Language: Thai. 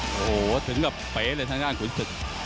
โอ้โหถึงกับเป๋เลยทางด้านขุนศึก